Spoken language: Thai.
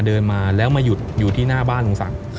เดินมาแล้วมาหยุดอยู่ที่หน้าบ้านลุงศักดิ์